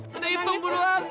kita hitung buruan